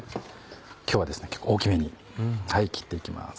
今日はですね結構大きめに切って行きます。